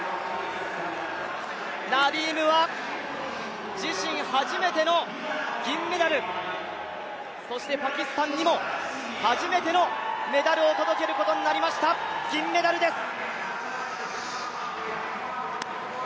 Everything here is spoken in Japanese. ナディームは自身初めての銀メダル、そしてパキスタンにも初めてのメダルを届けることになりました、銀メダルです。